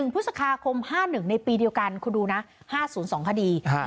พฤษภาคม๕๑ในปีเดียวกันคุณดูนะ๕๐๒คดี